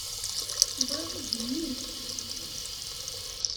Wa, d mmi-k.